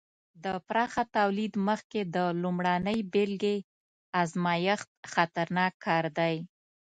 د پراخه تولید مخکې د لومړنۍ بېلګې ازمېښت خطرناک کار دی.